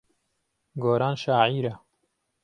گۆران شاعیرە.